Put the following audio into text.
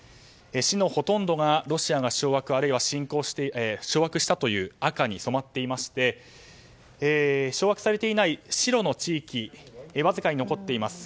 市のほとんどがロシアが掌握したという赤に染まっていまして掌握されていない白の地域わずかに残っています。